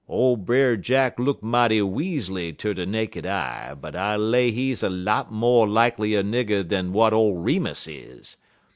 Ole Brer Jack look mighty weazly ter de naked eye, but I lay he's a lots mo' likelier nigger dan w'at ole Remus is.